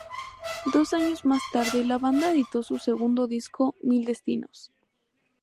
Dos años más tarde la banda editó su segundo disco Mil Destinos.